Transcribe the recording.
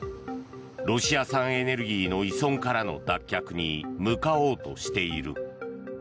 ロシア産エネルギーの依存からの脱却に向かおうとしている。